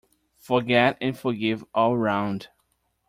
Forget and forgive all round!